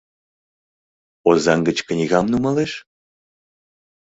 — Озаҥ гыч книгам нумалеш?!